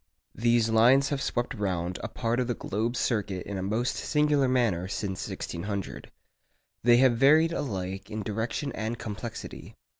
These lines have swept round a part of the globe's circuit in a most singular manner since 1600. They have varied alike in direction and complexity.